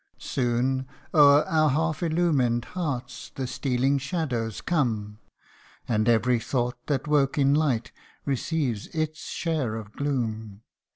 Soon o'er our half illumined hearts the stealing shadows come, And every thought that woke in light receives its share of gloom.